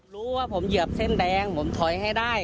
รู้ว่าผมเหยียบเส้นแดงผมถอยให้ได้